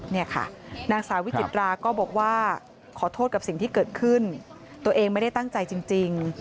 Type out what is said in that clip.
นี่ค่ะนางสาววิจิตราก็บอกว่าขอโทษกับสิ่งที่เกิดขึ้นตัวเองไม่ได้ตั้งใจจริง